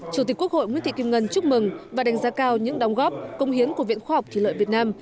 chủ tịch quốc hội nguyễn thị kim ngân chúc mừng và đánh giá cao những đóng góp công hiến của viện khoa học thủy lợi việt nam